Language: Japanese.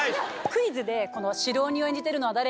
クイズで白鬼を演じてるのは誰？って。